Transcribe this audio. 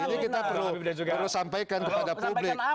ini kita perlu sampaikan kepada publik